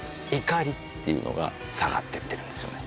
怒りっていうのが下がってってるんですよね